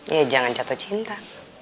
ya jangan jatuh cinta